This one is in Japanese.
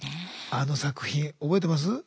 あの作品覚えてます？